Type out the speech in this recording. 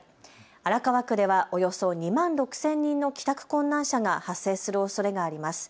荒川区ではおよそ２万６０００人の帰宅困難者が発生するおそれがあります。